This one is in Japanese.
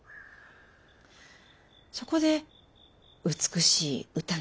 そこで美しい歌などを。